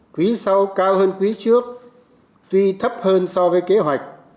quý sau cao hơn quý trước tuy thấp hơn so với kế hoạch